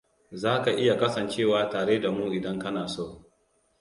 Zaka iya kasancewa tare da mu idan kana so.